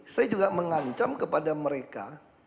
saya juga mengancam kepada mereka